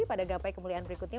pada gapai kemuliaan berikutnya